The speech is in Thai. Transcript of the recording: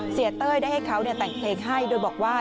เต้ยได้ให้เขาแต่งเพลงให้โดยบอกว่า